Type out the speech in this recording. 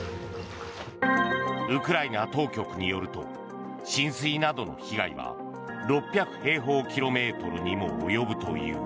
ウクライナ当局によると浸水などの被害は６００平方キロメートルにも及ぶという。